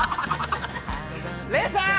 礼さん！